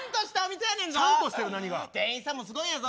店員さんもすごいんやぞ。